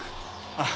あっ。